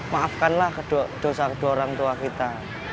maafkanlah dosa kedua orang tua kita